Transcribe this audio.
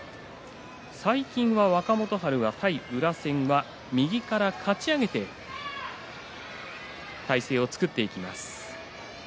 最近は若元春は対宇良戦は右からかち上げて体勢を作っていきます。